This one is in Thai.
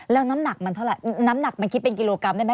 แล้วน้ำหนักมันเท่าไหร่น้ำหนักมันคิดเป็นกิโลกรัมได้ไหม